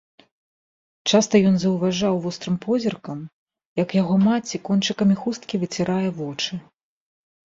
Часта ён заўважаў вострым позіркам, як яго маці кончыкамі хусткі выцірае вочы.